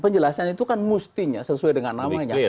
penjelasan itu kan mestinya sesuai dengan namanya